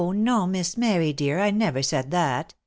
no, Miss Mary dear, I never said that.